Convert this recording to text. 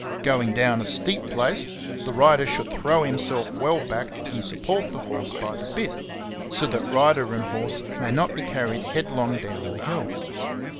Going down a steep place, the rider should throw himself well back, and support the horse by the bit, so that rider and horse may not be carried headlong down the hill.